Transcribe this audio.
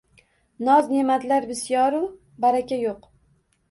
Noz-ne’matlar bisyoru, baraka yo‘q